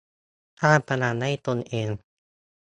สร้างพลังให้ตนเอง